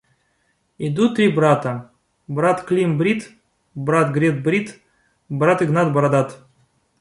Идут три брата: брат Клим брит, брат Глеб брит, брат Игнат бородат.